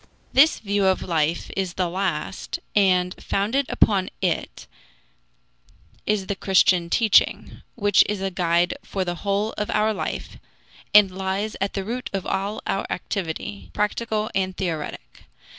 This view of life is the last, and founded upon it is the Christian teaching, which is a guide for the whole of our life and lies at the root of all our activity, practical and theoretic.